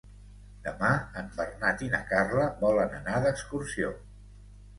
Demà en Bernat i na Carla volen anar d'excursió.